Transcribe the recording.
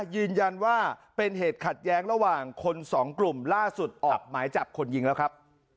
ยืนยันว่าเป็นเหตุขัดแย้งระหว่างคนสองกลุ่มล่าสุดออกหมายจับคนยิงแล้วครับ